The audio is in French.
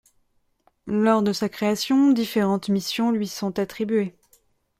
Lors de sa création, différentes missions lui sont attribuées.